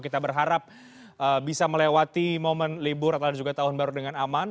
kita berharap bisa melewati momen libur atau juga tahun baru dengan aman